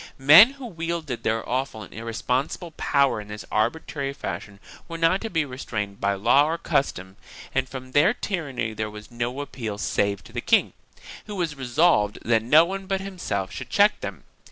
1 Men who wielded their awful and irresponsible power in this arbitrary fashion were not to be restrained by law or custom and from their tyranny there was no appeal save to the king, who was resolved that no one but himself should check them.